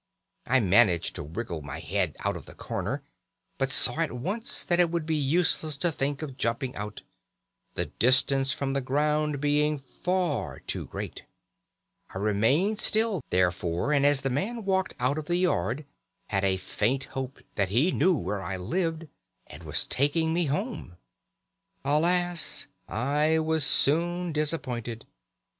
I managed to wriggle my head out of the corner, but saw at once that it would be useless to think of jumping out, the distance from the ground being far too great. I remained still therefore, and as the man walked out of the yard had a faint hope that he knew where I lived and was taking me home. Alas! I was soon disappointed.